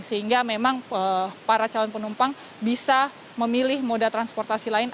sehingga memang para calon penumpang bisa memilih moda transportasi lain